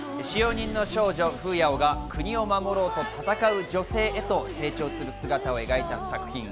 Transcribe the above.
使用人の少女・フーヤオが国を守ろうと戦う女性へと成長する姿を描いた作品。